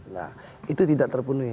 nah itu tidak terpenuhi